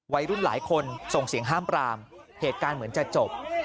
วัยรุ่นหลายคนส่งเสียงห้ามปรามเหตุการณ์เหมือนจะจบ